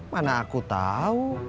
mana aku tau